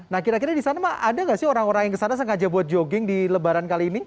nah kira kira di sana ada nggak sih orang orang yang kesana sengaja buat jogging di lebaran kali ini